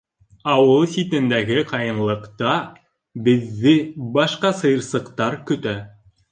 Ауыл ситендәге ҡайынлыҡта беҙҙе башҡа сыйырсыҡтар көтә.